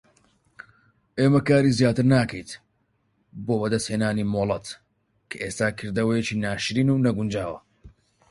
ئێمە کاری زیاتر ناکەیت بۆ بەدەستهێنانی مۆڵەت کە ئێستا کردەوەیەکی ناشرین و نەگونجاوە.